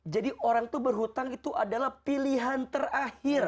jadi orang itu berhutang itu adalah pilihan terakhir